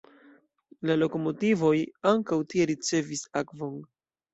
La lokomotivoj ankaŭ tie ricevis akvon.